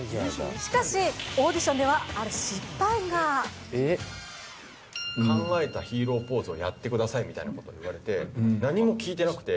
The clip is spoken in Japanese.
しかし、オーディションではある考えたヒーローポーズをやってくださいみたいなことをいわれて、何も聞いてなくて。